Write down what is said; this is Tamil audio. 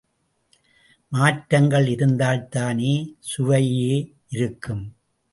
மாற்றங்கள் இருந்தால்தானே சுவையே இருக்கும்.